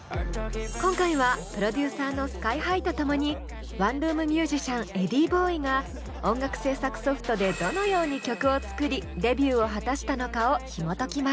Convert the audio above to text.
今回はプロデューサーのＳＫＹ−ＨＩと共にワンルーム☆ミュージシャンｅｄｈｉｉｉｂｏｉが音楽制作ソフトでどのように曲を作りデビューを果たしたのかをひもときます。